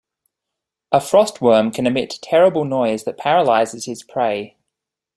A frost worm can emit terrible noise that paralyzes his prey.